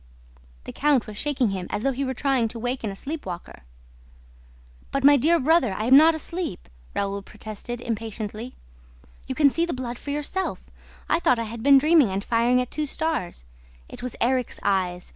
The count was shaking him as though he were trying to waken a sleep walker. "But, my dear brother, I'm not asleep!" Raoul protested impatiently. "You can see the blood for yourself. I thought I had been dreaming and firing at two stars. It was Erik's eyes